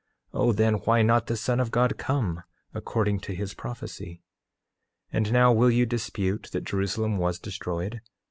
O then why not the Son of God come, according to his prophecy? 8:21 And now will you dispute that Jerusalem was destroyed?